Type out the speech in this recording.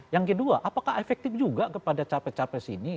yang kedua apakah efektif juga kepada capres capres ini